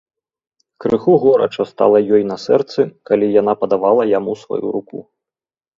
Крыху горача стала ёй на сэрцы, калі яна падавала яму сваю руку.